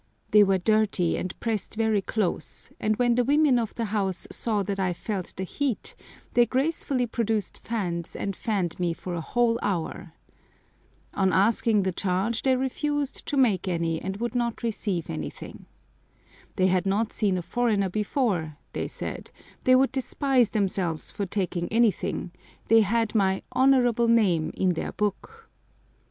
They were dirty and pressed very close, and when the women of the house saw that I felt the heat they gracefully produced fans and fanned me for a whole hour. On asking the charge they refused to make any, and would not receive anything. They had not seen a foreigner before, they said, they would despise themselves for taking anything, they had my "honourable name" in their book.